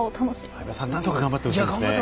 相葉さん、なんとか頑張ってほしいですね。